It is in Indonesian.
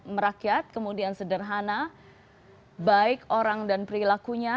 merakyat kemudian sederhana baik orang dan perilakunya